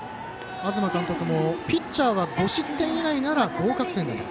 東監督も、ピッチャーが５失点以内なら合格点だと。